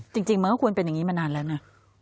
จริงมันก็ควรเป็นอย่างนี้มานานแล้วนะ